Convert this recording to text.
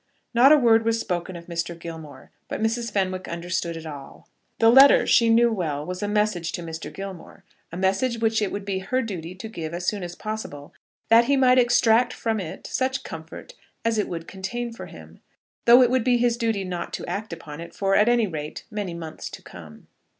Not a word was spoken of Mr. Gilmore, but Mrs. Fenwick understood it all. The letter, she knew well, was a message to Mr. Gilmore; a message which it would be her duty to give as soon as possible, that he might extract from it such comfort as it would contain for him, though it would be his duty not to act upon it for, at any rate, many months to come.